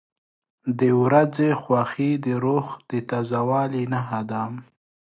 • د ورځې خوښي د روح د تازه والي نښه ده.